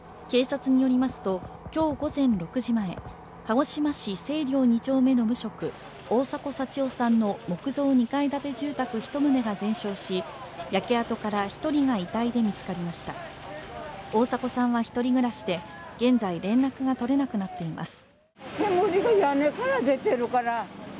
警察によりますときょう午前６時前鹿児島市西陵２丁目の無職大迫幸男さんの木造２階建て住宅一棟が全焼し焼け跡から一人が遺体で見つかりました大迫さんはひとり暮らしで現在連絡が取れなくなっています